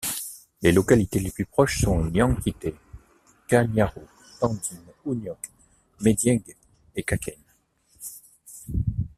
Les localités les plus proches sont Niankitte, Kagnarou, Tandine, Ouniock, Médiégue et Kakène.